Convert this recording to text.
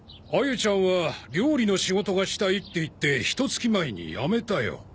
あゆちゃんは料理の仕事がしたいって言ってひと月前に辞めたよ。